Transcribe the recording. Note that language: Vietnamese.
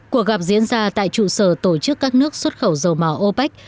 cuộc gặp diễn ra tại trụ sở tổ chức các nước xuất khẩu dầu màu opec